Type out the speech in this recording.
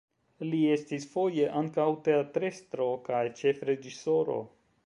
Li estis foje ankaŭ teatrestro kaj ĉefreĝisoro.